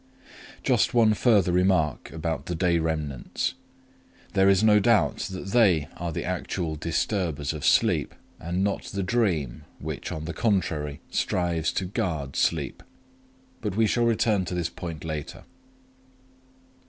Just one further remark about the day remnants. There is no doubt that they are the actual disturbers of sleep, and not the dream, which, on the contrary, strives to guard sleep. But we shall return to this point later.